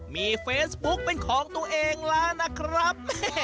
มีเฟซบุ๊กเป็นของตัวเองแล้วนะครับ